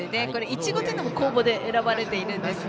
いちごというのも公募で選ばれているんです。